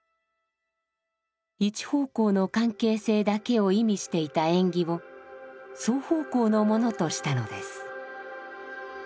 一方向の関係性だけを意味していた縁起を双方向のものとしたのです。